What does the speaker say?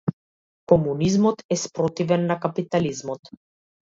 Комунизмот е спротивен на капитализмот.